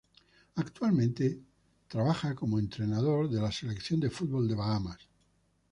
Actualmente se desempeña como entrenador de la selección de fútbol de Bahamas.